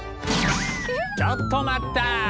ちょっと待った！